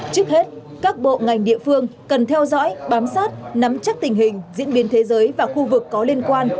trước hết các bộ ngành địa phương cần theo dõi bám sát nắm chắc tình hình diễn biến thế giới và khu vực có liên quan